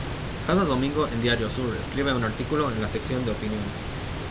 Cada domingo en Diario Sur escribe un artículo en la sección de opinión.